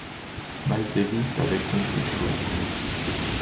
Miles Davis avec Quincy Troupe.